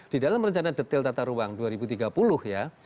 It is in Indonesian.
di dalam rencana delta taruang dua ribu tiga puluh ya